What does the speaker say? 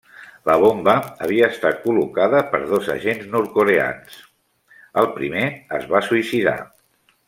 La bomba havia estat col·locada per dos agents nord-coreans; el primer es va suïcidar.